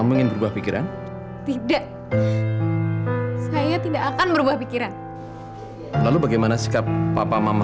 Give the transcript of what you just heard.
mama tidak mau kamu meninggal